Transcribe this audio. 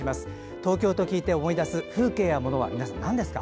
東京と聞いて思い出す風景やものなんですか。